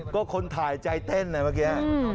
ก็คนถ่ายใจเต้นนะเมื่อกี้